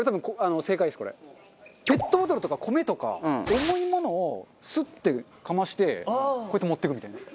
ペットボトルとか米とか重いものをスッてかましてこうやって持っていくみたいな。